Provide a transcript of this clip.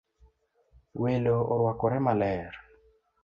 Welo orwakore maler